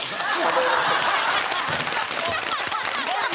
ハハハハ。